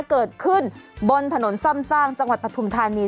เกิดขึ้นบนถนนส้ำสร้างจังหวัดผัทถุ่มธานี